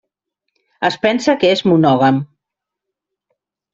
Es pensa que és monògam.